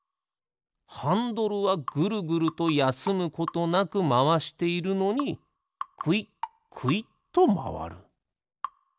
ハンドルはぐるぐるとやすむことなくまわしているのにくいっくいっとまわる。